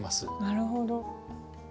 なるほど。